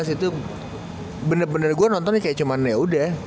dua ribu empat belas dua ribu lima belas itu bener bener gue nonton ya kayak cuman yaudah